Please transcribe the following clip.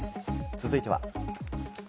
続いては。